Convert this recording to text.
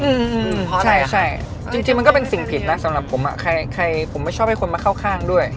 อืมใช่จริงมันก็เป็นสิ่งผิดนะสำหรับผมอ่ะผมไม่ชอบให้คนมาเข้าข้างด้วย